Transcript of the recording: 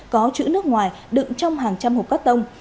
có chữ nước ngoài đựng trong hàng trăm hộp cắt tông